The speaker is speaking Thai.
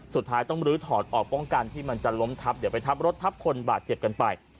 สุดท้ายต้องลื้อถอดออกป้องกันที่มันจะล้มทับเดี๋ยวไปทับรถทับคนบาดเจ็บกันไป